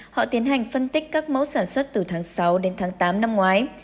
họ tiến hành phân tích các mẫu sản xuất từ tháng sáu đến tháng tám năm ngoái